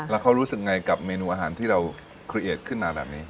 แล้วเขารู้สึกไงกับเมนูอาหารที่เราคลีเอดขึ้นมาแบบนี้